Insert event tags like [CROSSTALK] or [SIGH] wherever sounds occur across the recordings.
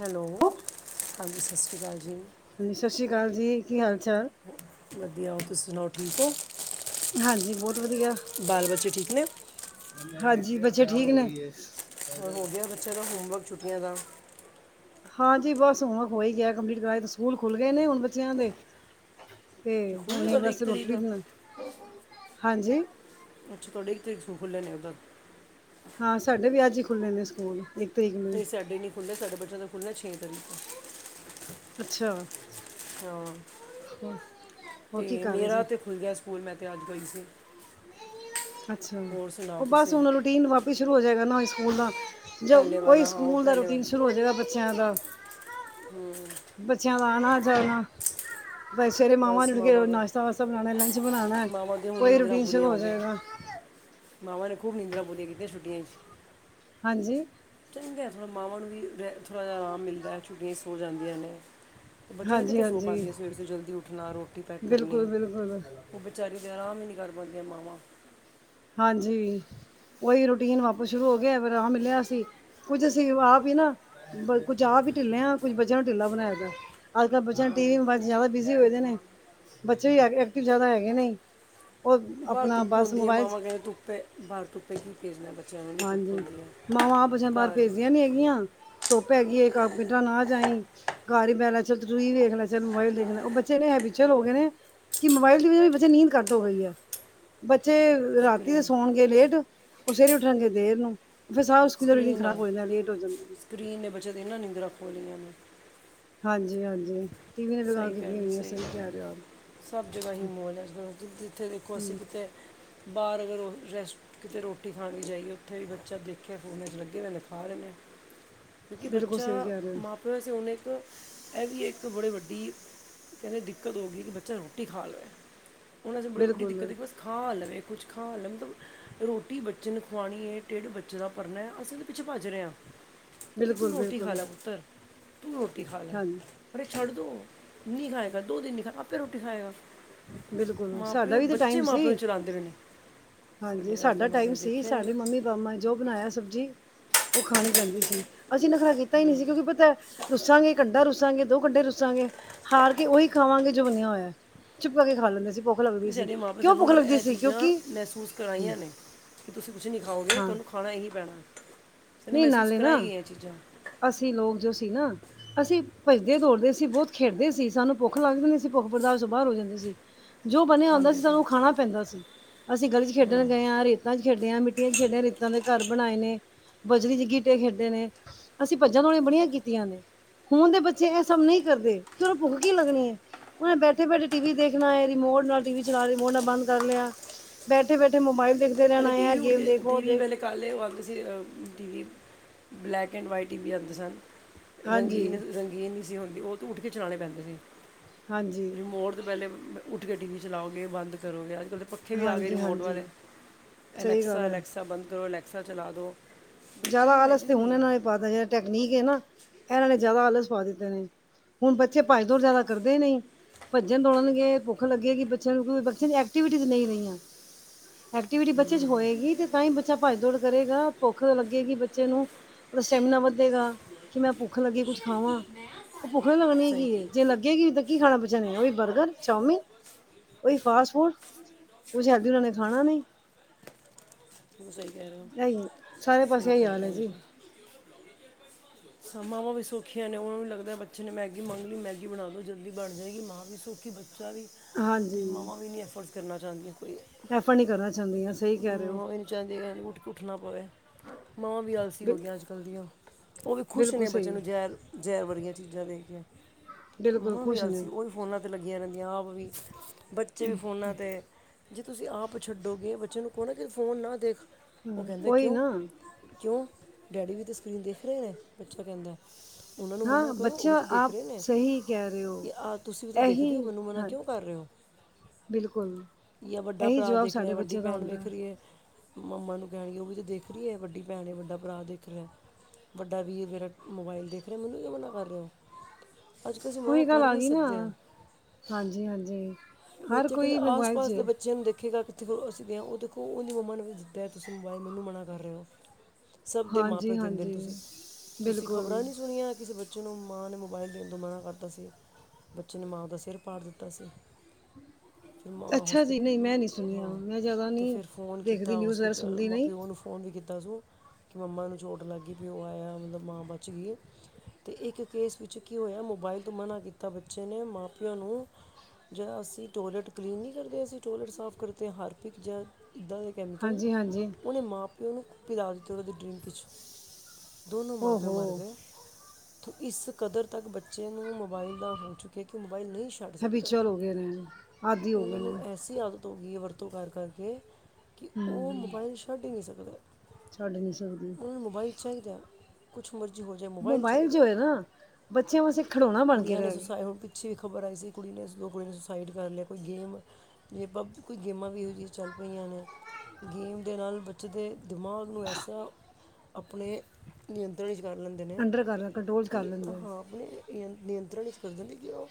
Hello, ਹਾਂਜੀ ਸਸ ਰੀ ਕਾਲ ਜੀ। ਹਾਂਜੀ ਸਤਿ ਸ਼੍ਰੀ ਅਕਾਲ ਜੀ ਕੀ ਹਾਲ ਚਾਲ ਵਦੀਆ ਓਂ ਤੁਸੀਂ ਸਨਾਓ ਠੀਕ ਓਂ। ਹਾਂਜੀ ਬਹੁਤ ਵਧੀਆ ਬਾਲ ਬੱਚੇ ਠੀਕ ਨੇ। ਹਾਂਜੀ, ਬੱਚੇ ਠੀਕ ਨੇ। ਹੋਰ ਗੇਆ ਬੱਚਿਆਂ ਨੂੰ ਹੋਮਵਰਕ ਛੁੱਟੀਆਂ ਦਾ। ਹਾਂਜੀ ਬਸ ਹੁਨ ਹੋ ਈ ਗੇਆ ਕੰਪਲੀਟ ਕਰਾਏ ਤੇ ਸਕੂਲ ਖੁੱਲ ਗਏ ਨੇ ਹੁਨ ਬੱਚਿਆਂ ਦੇ। ਤੇ ਖੁੱਲ ਗਿਆ ਹੁਨੇ ਤੁਹਾਡੇ ਬਸ ਇੱਕ ਰੋਟੀ ਤਰੀਕ ਰੁਟੀ ਬਨਾਓ, ਹਾਂਜੀ। ਅੱਛਾ ਤਾਡੇ ਇੱਕ ਤਰੀਕ ਨੂੰ ਸਕੂਲ ਖੁੱਲੇ ਨੀ ਓਦਰ ਹਾਂ ਸਾਡੇ ਵੀ ਅੱਜ ਈ ਖੁੱਲ੍ਹੇ ਨੇ ਸਕੂਲ ਇੱਕ ਤਰੀਕ ਨੂੰ ਹੀ ਨਈਂ ਸਾਡੇ ਨੀ ਖੁੱਲ੍ਹੇ ਸਾਡੇ ਬੱਚਿਆਂ ਦੇ ਖੁੱਲ੍ਹਨੇ ਛੇ ਤਰੀਕ ਨੂੰ। ਅੱਛਾ, ਹੋਰ ਕੀ ਕਰ ਰਏ ਸੀ। ਖੁੱਲ੍ਹ ਗੇਆ ਸਕੂਲ ਮੈਂ ਤੇ ਅੱਜ ਗਈ ਸੀ। ਅੱਛਾ ਹੋਰ ਸੁਣਾਓ ਓ ਬਸ ਤੁਸੀਂ ਹੁਨ ਰੂਟੀਨ ਵਾਪਿਸ ਸ਼ੁਰੂ ਹੋ ਜਾਏਗਾ ਨਾ ਓਈ ਸਕੂਲ ਦਾ। ਜ ਪਹਿਲੇ ਓਈ ਵਾਲਾ ਹਾਂ ਉਹ ਸਕੂਲ ਦਾ ਪਹਿਲੇ ਰੂਟੀਨ ਸ਼ੁਰੂ ਹੋ ਜੇਗਾ ਬੱਚਿਆਂ ਦਾ। ਹੂੰ। ਬੱਚਿਆਂ ਦਾ ਆਨਾ ਜਾਨਾ ਬਈ ਸਵੇਰੇ ਉੱਠ ਕੇ ਮਾਵਾਂ ਬਸ ਮਾਮਾ ਨੇ ਦਾ ਨਾਸ਼ਤਾ ਵਾਸਤਾ ਬਨਾਨਾ ਲੰਚ ਬਨਾਨਾ। ਮਾਮਾ ਦੇ ਹੁਣ ਓਈ ਰੂਟੀਨ ਸ਼ੁਰੂ ਹੋ ਜਾਏਗਾ। ਮਾਵਾਂ ਨੇ ਖੂਬ ਨਿੰਦਰਾਂ ਪੂਰੀ ਕੀਤੀਆਂ ਛੁੱਟੀਆਂ ਚ। ਹਾਂਜੀ। ਚੰਗਾ ਐ ਥੋੜ੍ਹਾ ਮਾਵਾਂ ਨੂੰ ਵੀ ਰ ਥੋੜ੍ਹਾ ਜਾ ਆਰਾਮ ਮਿਲਦਾ ਝੁੱਗੀਆਂ ਸੋ ਜਾਂਦੀਆਂ ਨੇ। ਓ ਬੱਚਿਆਂ ਨੂੰ ਹਾਂਜੀ ਕਿਥੇ ਸੌ ਹਾਂਜੀ ਪਾਂਦੀਆਂ ਸਵੇਰ-ਸਵੇਰੇ ਜਲਦੀ ਉੱਠਨਾ ਰੋਟੀ ਪੈਕ ਕਰਨੀ ਬਿਲਕੁਲ ਬਿਲਕੁਲ ਓ ਬੱ ਵਿਚਾਰੀ ਦੇ ਆਰਾਮ ਈ ਨਈ ਕਰ ਪਾਂਦੀਆਂ ਮਾਵਾਂ। ਹਾਂਜੀ, ਓਹੀ ਰੂਟੀਨ ਵਾਪਸ ਸ਼ੁਰੂ ਹੋ ਗੇਆ ਫੇਰ ਅਰਾਮ ਮਿਲਿਆ ਸੀ। ਕੁੱਝ ਅਸੀਂ ਆਪ ਈ ਨਾ, ਕੁੱਝ ਆਪ ਈ ਢਿੱਲੇ ਆਂ ਕੁੱਝ ਬੱਚਿਆਂ ਨੂੰ ਢਿੱਲਾ ਬਨਾਏਆ ਦਾ। ਅੱਜ-ਕੱਲ੍ਹ ਬੱਚਿਆਂ ਨੂੰ ਟੀ ਵੀ ਮੋਬੈਲ ਚ ਜ਼ਾਦਾ ਬਿਜ਼ੀ ਹੋਏ ਦੇ ਨੇ, ਬੱਚੇ ਵੀ ਐਕਟਿਵ ਜ਼ਾਦਾ ਹੈਗੇ ਨੇ। ਬਾਰ ਧੁੱਪ ਹੁੰਦੀ ਐ ਮਾਵਾਂ ਕੈਂਦੇ ਧੁੱਪ ਐ ਬਾਰ ਧੁੱਪੇ ਕੀ ਫੇਰਨਾ ਬੱਚਾ ਹਾਂਜੀ, ਮਾਵਾਂ ਆਪ ਬੱਚਿਆਂ ਨੂੰ ਬਾਰ ਘਰ ਭੇਜਦੀਆਂ ਨੀ ਹੈਗੀਆਂ। ਧੁੱਪ ਹੈਗੀ ਏ ਕਾ ਪਿੰਡਾ ਨਾ ਜਾਈ। ਘਰ ਈ ਬੈ ਲੈ ਚੱਲ ਤੂੰ ਟੀ ਵੀ ਦੇਖਲੈ ਚਲ ਮੋਬਾਈਲ ਦੇਖਲੈ ਓ ਬੱਚੇ ਐਨੇ ਹੈਪਚੁਅਲ ਹੋਗੇ ਨੇ ਕੇ ਮੋਬਾਇਲ ਦੀ ਵਜਾ ਵੀ ਬੱਚੇ ਦੀ ਨੀਂਦ ਘੱਟ ਹੋ ਗਈ ਐ, ਬੱਚੇ ਰਾਤੀ ਤੇ ਸਕਰੀਨ ਸੌਨਗੇ ਲੇਟ, ਔਰ ਸਵੇਰੇ ਉਠਨਗੇ ਦੇਰ ਨੂੰ- ਫੇਰ ਸਾਰਾ ਸਕ ਸਕਰੀਨ [UNINTELLIGIBLE] ਖਰਾਬ ਨਾਲ ਹੋ ਜਾਦਾਂ ਲੇਟ ਹੋ ਜਾਂਦੇ ਨੇ। ਸਕਰੀਨ ਨੇ ਬੱਚੇਆਂ ਦੀਆਂ ਨਾ ਨਿੰਦਰਾਂ ਖੋ ਲਈਆਂ ਨੇ। ਹਾਂਜੀ- ਹਾਂਜੀ, ਟੀ ਵੀ ਨੇ ਲਗਾ ਸਹੀ ਕੇ ਗੱਲ ਕੀਤੀਆਂ ਹੈ, ਹੋਈਆਂ ਸਹੀ ਸਈ ਗੱਲ ਹੈ। ਕੈ ਰਏਂ ਓ ਆਪ। ਸਭ ਜਗ੍ਹਾ ਈ ਮੌਲ ਐ ਜ ਜਿਥੇ ਦੇਖੋ ਅਸੀ ਹਾਂਜੀ ਕਿਤੇ ਬਾਰ ਅਗਰ ਓ ਰੈਸਟ ਕਿਤੇ ਰੋਟੀ ਖਾਨੀ ਜਾਈਏ ਓਥੇ ਵੀ ਬੱਚਾ ਦੇਖੇਆ ਫੋਨ ਲੱਗੇ ਹੋਏ ਨੇ ਖਾ ਰਏ ਨੇ। [INAUDIBLE] ਕਿਉਕਿ ਬੱਚਾ ਸਹੀ ਕਹਿ ਰਹੇ ਹੋ ਮਾਂ- ਪਿਓ ਵਾਸੇ ਹੁਣ ਇਕ ਇਹ ਵੀ ਇਕ ਬੜੇ ਵੱਡੇ- ਡੀ ਕਹਿਦੇ ਦਿੱਕਤ ਹੋ ਗਈ ਕਿ ਬੱਚਾ ਰੋਟੀ ਖਾ ਲਵੇ, ਹੁਣ ਅਸੀ ਬੜੀ ਵੱਡੀ ਬਿਲਕੁਲ ਦਿੱਕਤ ਬਸ- ਖਾ ਲਵੇ ਕੁਛ ਖਾ ਲਵੇ ਮਤਲਬ- ਰੋਟੀ ਬੱਚੇ ਨੂੰ ਖਆਣੀ ਹੈ। ਢਿੱਡ ਬੱਚੇ ਦਾ ਭਰਨਾ ਹੈ। ਅਸੀਂ ਉਹਦੇ ਪਿੱਛੇ ਭੱਜ ਰਹੇ ਹਾਂ। ਕਿ ਤੂੰ ਬਿਲਕੁਲ ਰੋਟੀ ਖਾ ਬਿਲਕੁਲ ਲੈ ਪੁੱਤਰ ਤੂੰ ਰੋਟੀ ਖਾ ਲੈ ਹਾਂਜੀ ਪਰ ਐ ਛਡ ਦੋ- ਨਹੀ ਖਾਏਗਾ ਦੋ ਦਿਨ ਨੀ ਖਾਗਾ ਆਪੇ ਰੋਟੀ ਖਾਏਗਾ। ਬਿਲਕੁਲ ਮਾਂ- ਸਾਡਾ ਪਿਓ ਵੀ ਤਾਂ ਬੱਚੇ ਟਾਈਮ ਮਾਂ- ਪਿਓ ਸੀ ਨੂੰ ਚਲਾਉਦੇ ਪਏ ਨੇ। ਸਾਡੇ ਦੇ ਅੱਜ ਤੱਕ ਮਾਂ- ਪਿਓ ਨੇ ਦੇਖਿਆ ਈ ਨੀ। ਮਾ ਜੋ ਬਣਾਇਆ ਸਬਜ਼ੀ ਉਹ ਖਾਣੀ ਪੈਂਦੀ ਸੀ, ਅਸੀ ਨਖਰਾ ਕੀਤਾ ਹੀ ਨਹੀ ਸੀ, ਕਿਉਕਿ ਪਤਾ ਐ- ਰੁੱਸਾਂਗੇ ਇ ਕੰਢਾ ਰੁੱਸਾਂਗੇ ਦੋ ਕੰਢੇ ਰੁੱਸਾਂਗੇ ਹਾਰ ਕੇ ਉਹੀ ਖਾਵਾਂਗੇ ਜੋ ਬਣਿਆ ਹੋਇਆ। ਚੁਪ ਕਰ ਕੇ ਖਾ ਲੈਂਦੇ ਸੀ, ਭੁ- ਸਾਡੇ ਮਾਂ- ਪਿਓ ਸਾਨੂੰ ਇਹ ਚੀਜਾ ਮਹਿਸੂਸ ਕਰਵਾਈਆਂ ਨੇ, ਕਿ ਤੁਸੀ ਕੁਛ ਨਹੀਂ ਖਾਓ ਗੇ ਤੁਹਾਨੂੰ- ਖਾਣਾ ਐ ਹੀ ਪੈਣਾ। ਸਾਨੂੰ ਨਹੀ ਮਹਿਸੂਸ ਨਾਲੇ ਨਾ, ਕਰਾਈ ਗਈਆਂ ਇਹ ਚੀਜ਼ਾਂ ਅਸੀ ਲੋਕ ਜੋ ਸੀ ਨਾ- ਅਸੀਂ ਭੱਜਦੇ ਦੌੜਦੇ ਸੀ ਬਹੁਤ ਖੇਡਦੇ ਸੀ ਸਾਨੂੰ ਭੁੱਖ ਲੱਗ ਜਾਦੀ ਸੀ ਭੁੱਖ ਬਰਦਾਸ਼ 'ਚ ਬਾਹਰ ਹੋ ਜਾਦੀ ਸੀ। ਜੋ ਬਣਿਆ ਹੁੰਦਾ ਸੀ, ਸਾਨੂੰ ਓਹ ਖਾਣਾ ਪੈਂਦਾ ਸੀ। ਅਸੀਂ ਗਲੀ 'ਚ ਖੇਡਣ ਗਏ ਹਾਂ, ਰੇਤਾਂ 'ਚ ਖੇਡਿਆ ਹ, ਮਿੱਟੀਆਂ 'ਚ ਖੇਡਿਆ, ਰੇਤਾਂ ਦੇ ਘਰ ਬਣਾਏ ਨੇ- ਬਜਰੀ 'ਚ ਗਿਟੇ ਖੇਡੇ ਨੇ, ਅਸੀ ਭੱਜਾਂ ਦੌੜੀਆਂ ਬੜੀਆਂ ਕੀਤੀਆਂ ਨੇ- ਹੁਣ ਦੇ ਬੱਚੇ ਇਹ ਸਭ ਨਹੀ ਕਰਦੇ, ਫੇਰ ਔਨੂੰ ਭੁੱਖ ਕੀ ਲੱਗਣੀ ਹੈ। ਉਹਨੇ ਬੈਠੇ- ਬੈਠੇ ਟੀ ਵੀ ਦੇਖਣਾ ਏ, ਰਿਮੋਟ ਨਾਲ ਟੀ ਵੀ ਚਲਾ ਰਿਮੋਟ ਨਾਲ ਬੰਦ ਕਰ ਲਿਆ। ਬੈਠੇ- ਬੈਠੇ ਮੋਬਾਇਲ ਦੇਖਦੇ ਰਹਿਣਾ ਆ, ਐ ਗੇਮ ਦੇਖ ਓ ਦੇਖ। ਕਲੇ ਉਹ ਆਂਦੇ ਸੀ, T V black and white T V ਆਉਦੇ ਸਨ। ਹਾਂਜੀ ਰੰਗੀਨ -ਰੰਗੀਨ ਨਹੀ ਸੀ ਹੁੰਦੇ, ਉਹ ਤਾਂ ਉਠ ਕੇ ਚਲਾਉਣੇ ਪੈਂਦੇ ਸੀ। ਹਾਂਜੀ ਰਿਮੋਟ ਤੋਂ ਪਹਿਲੇ ਉਠ ਕੇ ਟੀ ਵੀ ਚਲਾਓਗੇ ਬੰਦ ਕਰੋਗੇ ਅਜ ਕਲ ਤ- ਪੱਖੇ ਵੀ ਆ ਗਏ ਹਾਂਜੀ ਰਿਮੋਟ ਵਾਲੇ, ਹਾਂਜੀ ਸਹੀ ਗੱਲ ਐਲੈਕਸਾ- ਹੈ ਐਲੈਕਸਾ ਬੰਦ ਕਰੋ ਐਲੈਕਸਾ ਚਲਾ ਦੋ। ਜਿਆਦਾ ਆਲਸ ਤੇ ਹੁਣ ਇਹਨਾ ਨੇ ਪਾਤਾ ਜਿਹੜ ਟੈਕਨੀਕ ਹੈ ਨਾ, ਇਹਨਾ ਨੇ ਜਿਆਦਾ ਆਲਸ ਪਾ ਦਿੱਤੇ ਨੇ- ਹੁਣ ਬੱਚੇ ਭੱਜ ਦੋੜ ਜਿਆਦਾ ਕਰਦੇ ਨਹੀ- ਭੱਜਣ- ਦੌੜਨਗੇ ਭੁੱਖ ਲੱਗੇਗੀਂ ਬੱਚਿਆਂ ਨੂੰ ਬੱਚਿਆਂ ਦੀ ਐਕਟੀਵਿਟੀਸ ਨਹੀ ਰਹੀਆਂ। ਐਕਟੀਵਿਟੀ ਬੱਚੇ 'ਚ ਹੋਏਗੀ ਤੇ ਤਾਂ ਹੀ ਬੱਚਾ ਭੱਜ ਦੌੜ ਕਰੇਗਾ ਭ- ਭੁੱਖ ਲੱਗੇਗੀ ਬੱਚੇ ਨੂੰ, ਉਹਦਾ ਸਟੈਮੀਨਾ ਵੱਧੇਗਾ। ਕਿ ਮੈ ਭੁੱਖ ਲਗੀ ਕੁਛ ਖਾਵਾਂ, ਉਹ ਭੁੱਖ ਨੇ ਲੱਗਣੀ ਸਹੀ ਕਿ ਜੇ ਲੱ- ਤੁਸੀਂ ਗੇਗੀ ਤੇ ਕੀ ਖਾਣਾ ਬੱਚੇਆਂ ਨੇ ਉਹ ਵੀ ਬਰਗਰ, ਚਾਮਿਨ- ਐਈ ਫਾਸਟ ਫੂਡ, ਕੁਛ ਹੈਲਦੀ ਉਨਾ ਨੇ ਖਾਣਾ ਨਹੀ। ਸਹੀ ਕਹਿ ਰਹੇ ਹੋ- ਇਹੀ ਸਾਰੇ ਸਹੀ ਪਾਸੇ ਇਹੀ ਕਹਿ ਰਹੇ ਹੋ, ਹਾਂਜੀ। [INAUDIBLE] ਸ ਮਾਵਾਂ ਵੀ ਸੌਖੀਆਂ ਨੇ ਉਹਨਾ ਵੀ ਲਗਦਾ ਬੱਚੇ ਨੇ ਮੈਗੀ ਮੰਗ ਲਈ ਮੈਗੀ ਬਣਾ ਦਿਉ ਜਲਦੀ ਬਣ ਜਾਏਗੀ, ਮਾਂ ਵੀ ਸੌਖੀ ਬੱਚ- ਬੱਚਾ ਵੀ ਤੇ ਹਾਂਜੀ ਮਾਵਾਂ ਵੀ ਇਨੀ ਐਫੋਟਸ ਕਰਨਾ ਚਾਹੁੰਦੀਆਂ ਕੋਈ- ਐਫਟ ਨੀ ਕਰਨਾ ਚਾਹੁੰਦੀਆਂ ਸਹੀ ਕਹਿ ਰਹੇ ਹੋ। ਜਾਂ ਦੀ ਵਾਰੀ ਉਠ ਉਠਣਾ ਪਵੇ- ਮਾਵਾਂ ਵੀ ਆਲਸੀ ਹੋ ਬਿਲ ਗਈਆਂ ਅਜ ਕਲ ਦੀਆ, ਉਹ ਤੇ ਖੁਸ਼ ਬਿਲਕੁਲ ਨੇ ਬੱਚੇ ਸਹੀ ਨੂੰ ਜੈਰ- ਜ਼ੈਰ ਵੜਗੀਆਂ ਚੀਜਾ ਦੇ ਕੇ, ਬਿਲਕੁਲ ਨੂੰ ਵੀ ਖੁਸ਼ ਨੇ ਅਲਸੀ ਉਹ- ਫੋਨਾਂ 'ਤੇ ਲੱਗੀਆਂ ਰਹਿੰਦੀਆਂ ਆਪ ਵੀ, ਬੱਚੇ ਵੀ ਫੋਨਾ 'ਤੇ- ਜੇ ਤੁਸੀਂ ਆਪ ਛੱਡੋਗੇ ਬੱਚੇ ਨੂੰ ਕਹੋ ਨਾ ਕੇ ਫੋਨ ਨਾ ਦੇਖ, ਉਹ ਹਮ ਕਹਿੰਦੇ ਉਹੀ ਕਿਉਂ? ਨਾ ਕਿਉਂ, ਡੈਡੀ ਵੀ ਤਾਂ ਸਕਰੀਨ ਦੇਖ ਰਹੇ ਨੇ ਬੱਚਾ ਕਹਿੰਦਾ। ਉਹਨਾਂ ਨੂੰ ਹਾਂ ਮਨਾ ਕਰੋ ਉਹ ਵੀ ਬੱਚਾ ਤਾਂ ਦੇਖ ਆਪ ਰਹੇ ਨੇ, ਸਹੀ ਕਹਿ ਰਹੇ ਹੋ ਕਿ ਆਹ ਤੁਸੀਂ ਵੀ ਤਾਂ ਦੇਖਦੇ ਹੋ, ਇਹੀ ਮੈਨੂੰ ਮਨਾ ਹਾਂ ਕਿਉਂ? ਕਰ ਰਹੇ ਓ, ਬਿਲਕੁਲ ਯਾ ਵੱਡਾ ਇਹੀ ਭਰਾ ਜਵਾਬ ਦੇਖ ਰਿਹਾ, ਸਾਡੇ ਵੱਡੀ ਬੱਚੇ ਦਾ ਭੈਣ ਹੁੰਦਾ ਵੇਖ ਹੈ। ਰਹੀ ਏ। ਮੰਮਾ ਨੂੰ ਕਹਿਣਗੇ ਉਹ ਵੀ ਤਾ ਦੇਖ ਰਹੀ ਏ, ਵੱਡੀ ਭੈਣ ਵੱਡਾ ਭਰਾ ਦੇਖ ਰਿਹਾ। ਵੱਡਾ ਵੀਰ ਮੇਰਾ ਮੋਬਾਇਲ ਦੇਖ ਰਿਹਾ, ਮੈਨੂੰ ਕਿਉਂ ਮਨਾ ਕਰ ਰਹੇ ਓ। ਅੱਜ-ਕੱਲ ਅਸੀਂ ਮਨਾ ਉਹੀ ਗੱਲ ਕਰ ਈ ਆ ਨਹੀ ਗਈ ਨਾ ਸਕਦੇ। ਹਾਂਜੀ ਹਾਂਜੀ ਹਰ ਬੱਚੇ ਕਹਿੰਦੇ, ਕੋਈ ਮੋਬਾਇਲ 'ਚ ਆਸ-ਪਾਸ ਦੇ ਹੈ। ਬੱਚਿਆਂ ਨੂੰ ਦੇਖੇਗਾ ਦੇਖੋ ਅਸੀਂ ਵਿ ਹਾਂ ਉਹ ਦੇਖੋ, ਉਹਦੀ ਮੰਮਾ ਨੇ ਵੀ ਦਿੱਤਾ ਤੁਸੀ ਮੈਨੂੰ ਮੋਬਾਈਲ ਮਨਾ ਕਰ ਰਹੇ ਹੋ। ਸਬ ਦੇ ਮਾਂ-ਪਿਓ ਹਾਂਜੀ ਦਿੰਦੇ ਨੇ ਹਾਂਜੀ ਤੁਸੀ, ਤੁਸੀ ਬਿਲਕੁਲ ਖ਼ਬਰਾਂ ਨੀ ਸੁਣੀਆਂ ਕਿਸੇ ਬੱਚੇ ਬੱਚੇ ਨੂੰ, ਮਾਂ ਨੇ ਮੋਬਾਈਲ ਦੇਣ ਤੋ ਮਨਾ ਕਰਤਾ ਸੀ। ਬੱਚੇ ਨੇ, ਮਾਂ ਦਾ ਸਿਰ ਪਾੜ ਦਿੱਤਾ ਸੀ। ਫਿਰ ਮਾਂ ਅੱਛਾ ਜੀ ਨਹੀਂ ਮੈਂ ਨਹੀਂ ਹੌਸਪੀਟਲ ਸੁਣੀਆਂ ਹਾਂ, ਮੈਂ ਜ਼ਿਆਦਾ ਤੇ ਨਹੀਂ ਫਿਰ ਫੋਨ ਦੇਖਦੀ ਕੀਤਾ ਉਸ ਨਿਊਜ਼ ਵਗੈਰਾ ਸੁਣਦੀ ਨਹੀਂ ਉਹਨੂੰ ਫੋਨ ਵੀ ਕੀਤਾ ਸੁੰ, ਕਿ ਮੰਮਾ ਨੂੰ ਚੋਟ ਲੱਗ ਗਈ ਪਿਓ ਆਇਆ, ਮਤਲਬ ਮਾਂ ਬਚ ਗਈ। ਤੇ ਇੱਕ ਕੇਸ ਵਿੱਚ ਕੀ ਹੋਇਆ, ਮੋਬਾਇਲ ਤੋਂ ਮਨਾ ਕੀਤਾ ਬੱਚੇ ਨੇ ਮਾਂ-ਪਿਓ ਨੂੰ। ਜਾਂ ਅਸੀਂ, ਟੋਲਟ ਕਲੀਨ ਨਹੀਂ ਕਰਦੇ, ਅਸੀਂ ਟੋਲਟ ਸਾਫ਼ ਕਰਦੇ ਆਂ, ਹਾਰਪਿਕ ਜਾਂ ਇੱਦਾਂ ਦੇ ਕੈਮੀਕਲ ਹਾਂਜੀ ਹਾਂਜੀ ਉਹਨੇ ਮਾਂ-ਪਿਓ ਨੂੰ ਪਿਲਾ ਦਿੱਤੀ, ਉਹਨਾਂ ਦੀ ਡਰਿੰਕ'ਚ। ਦੋਨੋ ਮਾਂ-ਪਿਓ ਓਹੋ ਮਰ ਗਏ। ਇਸ ਕਦਰ ਤੱਕ ਬੱਚੇ ਨੂੰ ਮੋਬਾਇਲ ਦਾ ਹੋ ਚੁੱਕਿਆ, ਕਿ ਮੋਬਾਇਲ ਨਹੀਂ ਛੱਡ ਸਕਦੇ, ਹੈਬੀਚੁਅਲ ਹੋ ਗਏ ਨੇ ਆਦੀ ਹੋ ਉਹਨਾਂ ਗਏ ਨੂੰ ਨੇ ਐਸੀ ਆਦਤ ਹੋ ਗਈ ਏ ਵਰਤੋਂ ਕਰ-ਕਰਕੇ ਹੂੰ ਮੋਬਾਈਲ ਛੱਡ ਈ ਨਹੀਂ ਸਕਦੇ। ਛੱਡ ਨਹੀ ਸਕਦੇ। ਉਹਨਾਂ ਨੂੰ ਮੋਬਾਈਲ ਚਾਈਦਾ। ਕੁਛ ਮਰਜ਼ੀ ਹੋਜੇ ਮੋਬਾਈਲ ਮੋਬਾਇਲ ਚਾਹੀਦਾ, ਜੋ ਹੈ ਨਾ ਬੱਚਿਆਂ ਵਾਸਤੇ ਖਿਡੌਣਾ ਬਣ ਕੇ ਕੁੜੀਆਂ ਨੇ ਰਹਿ ਸੂਸਾਇਡ ਗਿਆ ਹੋਣ ਪਿੱਛੇ ਵੀ ਖ਼ਬਰ ਆਈ ਸੀ, ਕੁੜੀ ਨੇ ਕੁੜੀ ਨੂੰ ਸੁਸਾਈਡ ਕਰ ਲਿਆ, ਕੋਈ ਗੇਮ ਜੇ ਪਬ, ਕੋਈ ਗੇਮਾਂ ਵੀ ਇਹੋ ਜਿਹੀਆਂ ਚੱਲ ਪਈਆਂ ਨੇ, ਗੇਮ ਦੇ ਨਾਲ ਬੱਚੇ ਦੇ ਦਿਮਾਗ ਨੂੰ ਐਸਾ, ਆਪਣੇ ਨਿਯੰਤਰਣ ਵਿੱਚ ਕਰ ਲੈਂ ਦੇ ਨੇ, ਅੰਡਰ ਕਰ ਕੰਟਰੋਲ ਕਰ ਕਿ ਲੈਂਦੇ ਆ ਹਾਂ ਆਪਣੇ ਨਿਯੰਤਰਣ'ਚ ਕਰਦੇ ਨੇ, ਕਿ ਉਹ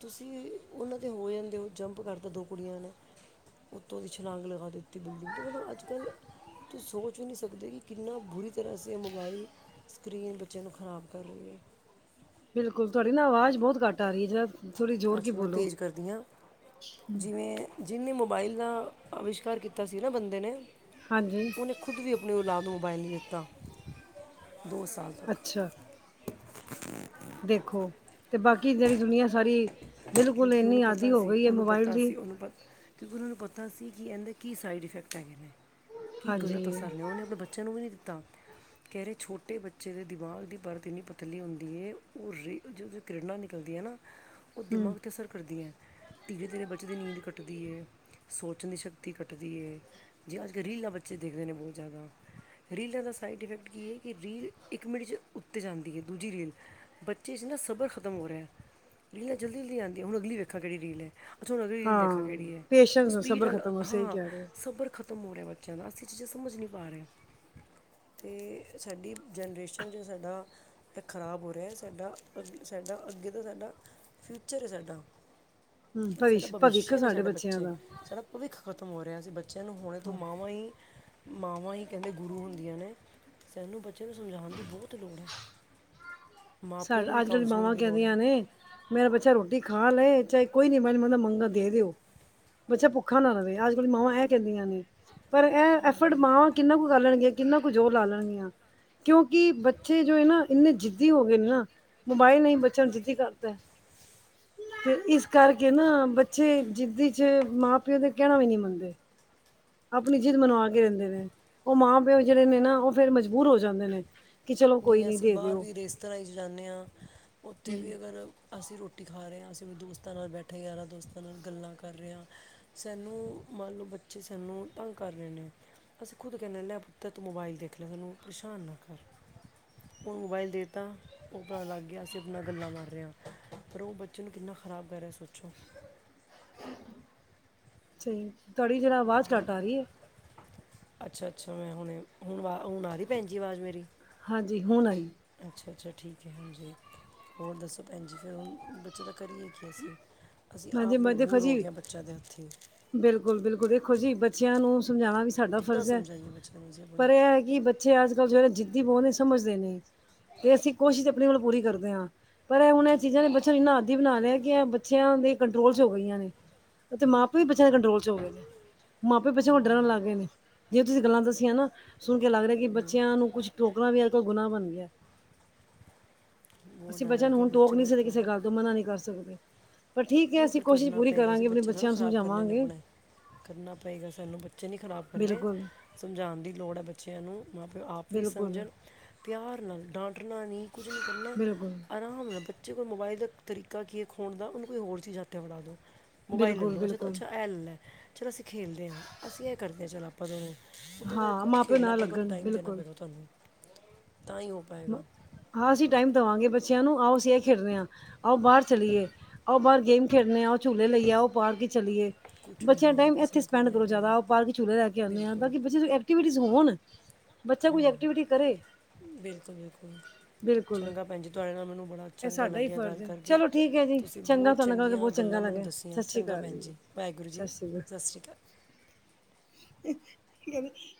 ਤੁਸੀਂ, ਉਹਨਾਂ ਦੇ ਹੋ ਜਾਂਦੇ ਓ ਜੰਪ ਕਰਤਾ ਦੋ ਕੁੜੀਆਂ ਨੇ। ਉੱਤੋਂ ਦੀ ਛਲਾਂਗ ਲਗਾ ਦਿੱਤੀ ਬਿਲਡਿੰਗ ਤੋਂ, ਮਤਲਬ ਅੱਜ ਅੱਜ-ਕੱਲ, ਤੁਸੀਂ ਸੋਚ ਵੀ ਨਹੀਂ ਸਕਦੇ ਕਿ ਕਿੰਨਾ ਬੁਰੀ ਤਰ੍ਹਾਂ ਅਸੀਂ ਆ ਮੋਬਾਈਲ ਸਕ੍ਰੀਨ, ਬੱਚਿਆਂ ਨੂੰ ਖ਼ਰਾਬ ਕਰ ਰਹੀ ਏ। ਬਿਲਕੁਲ, ਤੁਹਾਡੀ ਨਾ ਅਵਾਜ਼ ਬਹੁਤ ਘੱਟ ਆ ਰਹੀ ਏ ਅੱਛਾ, ਮੈਂ ਤੇਜ਼ ਕਰਦੀ ਆ, ਜਿਵੇਂ ਜਿੰਨੇ ਮੋਬਾਈਲ ਦਾ ਅਵਿਸ਼ਕਾਰ ਕੀਤਾ ਸੀ ਨਾ ਬੰਦੇ ਨੇ, ਹਾਂਜੀ ਉਹਨੇ ਖੁਦ ਵੀ ਆਪਣੀ ਔਲਾਦ ਨੂੰ ਮੋਬਾਇਲ ਨਹੀਂ ਦਿੱਤਾ, ਦੋ ਸਾਲ। ਤੱਕ ਅੱਛਾ। ਦੇਖੋ, ਅਤੇ ਬਾਕੀ ਜਿਹੜੀ ਦੁਨੀਆ ਸਾਰੀ, ਬਿਲਕੁਲ ਕਿਉਂਕਿ ਇੰਨੀ ਉਹਨੂੰ ਆਦੀ ਪਤਾ ਹੋ ਸੀ ਗਈ ਏ ਉਹਨੂੰ ਮੋਬਾਈਲ ਪਤਾ ਦੀ। ਸੀ ਉਹਨੂੰ ਪਤ ਕਿਉਂਕਿ ਉਹਨਾਂ ਨੂੰ ਪਤਾ ਸੀ ਕਿ ਐਂਦੇ ਕੀ ਸਾਈਡ ਇਫੈਕਟ ਹੈਗੇ ਨੇ, ਕੀ ਗਲਤ ਹਾਂਜੀ ਅਸਰ ਨੇ ਉਹਨੇ ਆਪਣੇ ਬ ਬੱਚਿਆਂ ਨੂੰ ਵੀ ਨਹੀਂ ਦਿੱਤਾ। ਕਹਿ ਰਹੇ ਛੋਟੇ ਬੱਚੇ ਦੇ ਦਿਮਾਗ ਦੀ ਪਰਤ ਇੰਨੀ ਪਤਲੀ ਹੁੰਦੀ ਏ, ਉਹ ਰੇ ਜਦੋਂ ਕਿਰਨਾ ਨਿਕਲਦੀ ਏ ਨਾ ਹ ਉਹ ਦਿਮਾਗ ਤੇ ਅਸਰ ਕਰਦੀਆਂ, ਧੀਰੇ-ਧੀਰੇ ਬੱਚੇ ਦੀ ਨੀਂਦ ਕਟਦੀ ਏ, ਸੋਚਣ ਦੀ ਸ਼ਕਤੀ ਘਟਦੀ ਏ। ਜੇ ਅੱਜ-ਕੱਲ ਰੀਲਾਂ ਬੱਚੇ ਦੇਖਦੇ ਨੇ ਬਹੁਤ ਜ਼ਿਆਦਾ। ਰੀਲਾਂ ਦਾ ਸਾਈਡ ਇਫੈਕਟ ਕੀ ਏ, ਕਿ ਰੀਲ ਇੱਕ ਮਿੰਟ 'ਚ ਉੱਤੇ ਜਾਂਦੀ ਏ, ਦੂਜੀ ਰੀਲ ਬੱਚੇ 'ਚ ਨਾ ਸਬਰ ਖ਼ਤਮ ਹੋ ਰਿਹਾ। ਰੀਲਾਂ ਜਲਦੀ-ਜਲਦੀ ਆਂਦੀਆਂ, ਹੁਣ ਅਗਲੀ ਵੇਖਾਂ ਕਿਹੜੀ ਰੀਲ ਐ। ਅੱਛਾ, ਹੁਣ ਉਹ ਰੀਲ ਹਾਂ ਦੇਖਾ ਕਿਹੜੀ ਐ। ਪੇਸ਼ੈਂਸ ਸਪੀਡ ਸਬਰ ਅਲ ਖਤਮ ਹੋ ਸਹੀ ਹਾਂ, ਕਹਿ ਰਹੇ ਹੋ ਸਬਰ ਖ ਤੇ ਮੂੜ ਏ ਬੱਚਿਆਂ ਦਾ, ਅਸੀਂ ਇਹ ਚੀਜ਼ਾਂ ਸਮਝ ਨੀ ਪਾ ਰ‌ਏਆਂ। ਤੇ ਸਾਡੀ ਜਨਰੇਸ਼ਨ, ਜੋ ਸਾਡਾ ਐਹ ਖ਼ਰਾਬ ਹੋ ਰਿਐ ਸਾਡਾ, ਅਗੇ ਸਾਡਾ, ਅੱਗੇ ਤੋਂ ਸਾਡਾ ਫਿਊਚਰ ਐ ਸਾ ਡਾ, ਹੂੰ ਸਾਡਾ ਭਵਿਸ਼ ਭਵਿੱਖ ਬਵਿੱਸ਼ੇ ਨੇ ਸਾਡੇ ਬੱਚਿਆਂ ਬੱਚੇ, ਦਾ ਸਾਡਾ ਭਵਿੱਖ ਖ਼ਤਮ ਹੋ ਰਿਆ, ਅਸੀਂ ਬੱਚਿਆਂ ਨੂੰ ਹੁਣੇ ਤੋਂ ਮਾਵਾਂ ਈ, ਮਾਵਾਂ ਈ ਕਹਿੰਦੇ ਗੁਰੂ ਹੁੰਦੀਆਂ ਨੇ ਸਾਂਨੂੰ ਬੱਚਿਆਂ ਨੂੰ ਸਮਝਾਣ ਦੀ ਬੋਤ ਲੋੜ ਐ। ਸਾ ਅੱਜ-ਕੱਲ੍ਹ ਮਾਵਾਂ ਕਹਿੰਦੀਆਂ ਨੇ ਮੇਰਾ ਬੱਚਾ ਰੋਟੀ ਖਾ ਲ‌ਏ, ਚਾਹੇ ਕੋਈ ਨੀ ਮੈ ਮਦਾ ਮੰਗਾਂ ਦੇ ਦਿਓ, ਬੱਚਾ ਭੁੱਖਾ ਨਾ ਰਵੇ। ਅੱਜ-ਕੱਲ੍ਹ ਮਾਵਾਂ ਐ ਕਹਿੰਦੀਆਂ ਨੇ। ਪਰ ਐ ਐਫ਼ਡ ਮਾਵਾਂ ਕਿੰਨਾ ਕੁ ਕਰ ਲੈਣਗੀਆਂ, ਕਿੰਨਾ ਕੁ ਜ਼ੋਰ ਲਾ ਲੈਣਗੀਆਂ। ਕਿਉਂਕਿ, ਬੱਚੇ ਜੋ ਏ ਨਾ ਇੰਨੇ ਜਿੱਦੀ ਹੋਗੇ ਨੇ ਨਾ, ਮੋਬਾਇਲ ਨੇ ਈ ਬੱਚਿਆਂ ਨੂੰ ਜਿੱਦੀ ਕਰਤੈ। ਤੇ ਇਸ ਕਰਕੇ ਨਾ, ਬੱਚੇ ਜਿਦੀ 'ਚ ਮਾਂ ਪਿਓ ਦੇ ਕੈਣਾ ਵੀ ਨੀ ਮੰਨਦੇ। ਆਪਣੀ ਜਿੱਦ ਮਨਵਾ ਕੇ ਰੈਂਦੇ ਨੇ, ਓ ਮਾਂ ਪਿਓ ਜੇੜੇ ਨੇ ਨਾ ਓ ਫੇਰ ਮਜਬੂਰ ਹੋ ਜਾਂਦੇ ਨੇ। ਕਿ ਚਲੋ ਕੋਈ ਨੀ ਅਸੀਂ ਦੇ ਬਾਰ ਦਿਓ ਵੀ ਰੇਸਤਰਈ 'ਚ ਜਾਂਨੇ ਆ, ਉੱਥੇ ਵੀ ਅਗਰ ਅਸੀਂ ਰੋਟੀ ਖਾ ਰੇਆ, ਅਸੀਂ ਦੋਸਤਾਂ ਨਾਲ ਬੈਠੇ, ਯਾਰਾਂ ਦੋਸਤਾਂ ਨਾਲ ਗੱਲਾਂ ਕਰ ਰਿਆ ਸਾਨੂੰ ਮੰਨ ਲੋ, ਬੱਚੇ ਸਾਨੂੰ ਤੰਗ ਕਰ ਰਹੇ ਨੇ ਅਸੀਂ ਖੁਦ ਕਹਿੰਨੇ ਹੁੰਨੇ ਆ, ਪੁੱਤਰ ਤੂੰ ਮੋਬਾਈਲ ਦੇਖ ਲੈ ਸਾਨੂੰ ਪਰੇਸ਼ਾਨ ਨਾ ਕਰ। ਓਹਨੂੰ ਮੋਬਾਈਲ ਦੇਤਾ, ਓ ਅਪਣਾ ਲੱਗ ਗਿਆ ਅਸੀਂ ਆਪਣਾ ਗੱਲਾਂ ਮਾਰ ਰ‌ਏਆ। ਪਰ ਓ ਬੱਚੇ ਨੂੰ ਕਿੰਨਾ ਖ਼ਰਾਬ ਕਰ ਰਿਐ, ਸੋਚੋ। ਸਈ ਬਹੁਤ ਬੁਰਾ ਅੱਛਾ-ਅੱਛਾ ਮੈਂ ਹੁਣੇ, ਹੁਣ ਵਾ ਹੁਣ ਆਗੀ ਭੈਣ ਜੀ ਆਵਾਜ਼ ਮੇਰੀ? ਹਾਂਜੀ, ਹੁਣ ਆਈ। ਅੱਛਾ-ਅੱਛਾ ਠੀਕ ਐ, ਹਾਂਜੀ। ਹੋਰ ਦੱਸੋ ਭੈਣ ਜੀ, ਫਿਰ ਹੁਣ ਬੱਚੇ ਦਾ ਕਰੀਏ ਕੀ ਅਸੀਂ? ਅਸੀਂ ਆਪ ਮਜ਼ਬੂਰ ਹੋਗੇਆ, ਬੱਚਿਆਂ ਦੇ ਹੱਥੀਂ। ਬਿਲਕੁੱਲ-ਬਿਲਕੁਲ ਵੇਖੋ ਜੀ, ਬੱਚਿਆਂ ਨੂੰ ਸਮਝਾਣਾ ਵੀ ਸਾਡਾ ਕਿੱਦਾਂ ਫਰਜ਼ ਐ। ਸਮਝਾਈਏ ਬੱਚਿਆਂ ਨੂੰ ਅਸੀਂ ਆਪਣੇ ਪਰ ਐ ਕੀ ਬੱਚੇ ਅੱਜ-ਕੱਲ੍ਹ ਜੋ ਐ ਨਾ ਜਿੱਦੀ ਬੋ ਨੇ ਸਮਝਦੇ ਨੀ ਤੇ ਅਸੀਂ ਕੋਸ਼ਿਸ਼ ਆਪਣੇ ਵਲੋਂ ਪੂਰੀ ਕਰਦੇ ਆ। ਪਰ ਐ ਹੁਣ, ਐ ਚੀਜ਼ਾਂ ਨੇ ਬੱਚਿਆਂ ਨੂੰ ਇੰਨਾ ਆਦੀ ਬਣਾ ਲਿਆ ਕਿ, ਐਹ ਬੱਚਿਆਂ ਦੇ ਕੰਟਰੋਲ 'ਚ ਹੋ ਗਈਆਂ ਨੇ ਤੇ ਮਾਂ ਤੁਹੀਂ ਬੱਚਿਆਂ ਦੇ ਕੰਟਰੋਲ 'ਚ ਹੋ ਗਏ ਨੇ, ਮਾਪੇ ਬੱਚਿਆਂ ਕੋਲ਼ ਡਰਨ ਲੱਗ ਗਏ ਨੇ। ਜੇ ਤੁਸੀਂ ਗੱਲਾਂ ਦੱਸੀਆਂ ਨਾ ਸੁਣ ਕੇ ਲੱਗ ਰਿਐ ਕੀ, ਬੱਚਿਆਂ ਨੂੰ ਕੁੱਛ ਟੋਕਣਾ ਵੀ ਅੱਜ-ਕਲ੍ਹ ਗੁਨਾਂਹ ਬਣ ਗਿਆ। ਬਹੁਤ ਅਸੀਂ ਡਰ ਬੱਚਿਆਂ ਅੱਜ ਨੂੰ ਹੁਣ ਕੱਲ੍ਹ ਟੋਕ ਬੱਚੇ ਨੀ ਬਹੁਤ ਸਕਦੇ ਕਿਸੇ ਖਰਾਬ ਗੱਲ ਤੋਂ ਮਨਾ ਨੀ ਕਰ ਸਕਦੇ। ਪਰ ਠੀਕ ਹੈ ਨਈ ਅਸੀਂ ਪਰ ਕੋਸ਼ਿਸ਼ ਕਰਨਾ ਪੂਰੀ ਪਏਗਾ ਜੀ, ਕਰਾਂਗੇ ਆਪਣੇ ਬੱਚੇ ਥੋੜ੍ਹਾ ਬੱਚਿਆਂ ਨੂੰ ਖ਼ਰਾਬ ਕਰਨੇ ਨੇ ਸਮਝਾਵਾਂਗੇ ਅਪਣੇ। ਕਰਨਾ ਪਏਗਾ ਸਾਨੂੰ ਬੱਚੇ ਨੀ ਖ਼ਰਾਬ ਕਰਨੇ, ਬਿਲਕੁਲ। ਸਮਝਾਣ ਦੀ ਲੋੜ ਐ ਬੱਚਿਆਂ ਨੂੰ। ਮਾਂ ਪਿਓ ਆਪ ਵੀ ਬਿਲਕੁਲ, ਸਮਝਣ, ਪਿਆਰ ਨਾਲ ਡਾਂਟਣਾ ਨੀ ਕੁਝ ਨੀ ਕਰਨਾ ਬਿਲਕੁਲ, ਆਰਾਮ ਨਾਲ, ਬੱਚੇ ਕੋ ਮੋਬਾਈਲ ਦਾ ਤਰੀਕਾ ਕੀ ਐ ਖੋਣ ਦਾ, ਓਹਨੂੰ ਕੋਈ ਹੋਰ ਚੀਜ਼ਾਂ ਉਤੇ ਫੜਾ ਦੋ, ਮੋਬਾਈਲ ਬਿਲਕੁਲ, ਲੈਲੌ, ਅਸੀਂ ਬਿਲਕੁਲ। ਅੱਛਾ ਐ ਲੈਲ਼ਾ। ਚਲੋ ਅਸੀਂ ਖੇਲਦੇ ਆ, ਅਸੀਂ ਐ ਕਰਦੇ ਚਲੋ ਆ ਪਤਾ ਉਦੇ ਨਾਲ ਹਾਂ ਖੁਦ ਮਾਂ ਪਿਓ ਖੇਲਣਾ ਨਾ ਪਏਗਾ, ਉਨੂੰ ਲੱਗਣ ਟਾਈਮ ਦੇਣਾ ਬਿਲਕੁਲ। ਪ‌ਏਗਾ ਤੁਹਾਨੂੰ ਤਾਂ ਈ ਓ ਪਾਏਗਾ। ਮ- ਹਾਂ ਅਸੀਂ ਟਾਈਮ ਦਵਾਂਗੇ ਬੱ ਚਿਆਂ ਨੂੰ, ਆਓ ਅਸੀਂ ਏ ਖੇਡਣੇ ਆ, ਆਓ ਬਾਰ ਚਲੀਏ, ਆਓ ਬਾਰ ਗੇਮ ਖੇਡਣੇ ਆ ਝੂੱਲੇ ਲਈਏ, ਆਓ ਪਾਰਕ ਚਲੀਏ, ਕੁਝ ਵੀ ਬੱਚਿਆਂ ਹਾਂ ਦਾ ਟਾਈਮ ਐਸੇ ਐਥੇ ਨੂੰ ਸਪੈਂਡ ਕਰਨਾ ਹੀ ਕਰੋ ਪਏਗਾ ਜਾਦਾ, ਆਓ ਪਾਰਕ ਚੂਲੈ ਕੇ ਆਨੇ ਆ ਬਿਲਕੁਲ ਤਾਂਕੀ ਬੱਚੇ ਨੂੰ ਐਕਟੀਵਿਟੀਜ਼ ਹੋਣ, ਬੱਚਾ ਕੋਈ ਐਕਟੀਵਿਟੀ ਕਰੇ। ਬਿਲਕੁੱਲ-ਬਿਲਕੁੱਲ। ਬਿਲਕੁਲ। ਚੰਗਾ ਭੈਣ ਜੀ, ਤੁਹਾਡੇ ਨਾਲ ਮੈਨੂੰ ਬੜਾ ਇਹ ਚੰਗਾ ਸਾਡਾ ਹੀ ਲੱਗਿਆ ਗੱਲ ਫਰਜ਼ ਹੈ ਕਰਕੇ, ਚਲੋ ਠੀਕ ਹੈ ਜੀ ਤੁਸੀਂ ਬੋ ਚੰਗਾ ਤੁਹਾਡੇ ਨਾਲ ਗੱਲ ਕਰਕੇ ਚੰਗੀਆਂ ਬਹੁਤ ਚੰਗਾ ਗੱਲਾਂ ਮੈਨੂੰ ਲੱਗਿਆ ਸਤਿ ਦੱਸੀਆਂ, ਸ਼੍ਰੀ ਚੰਗਾ ਅਕਾਲ ਭੈਣ ਜੀ, ਵਾਏਗੁਰੂ ਸਤਿ ਜੀ, ਸ਼੍ਰੀ ਅਕਾਲ ਸਸ ਸ਼੍ਰੀ ਕਾਲ। [UNINTELLIGIBLE]